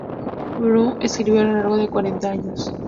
Burroughs escribió a lo largo de cuarenta años.